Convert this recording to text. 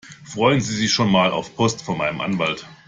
Freuen Sie sich schon mal auf Post von meinem Anwalt!